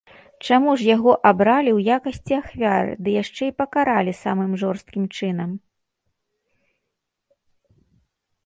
Чаму ж яго абралі ў якасці ахвяры ды яшчэ і пакаралі самым жорсткім чынам?